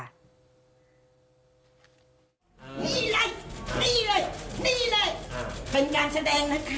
นี่เลยนี่เลยนี่เลยเป็นการแสดงนะคะ